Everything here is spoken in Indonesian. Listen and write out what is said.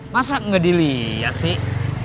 masa gak dilihat sih